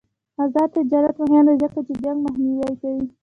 آزاد تجارت مهم دی ځکه چې جنګ مخنیوی کوي.